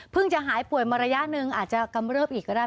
จะหายป่วยมาระยะหนึ่งอาจจะกำเริบอีกก็ได้